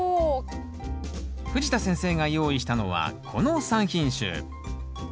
藤田先生が用意したのはこの３品種。